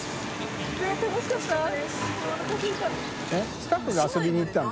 スタッフが遊びに行ったの？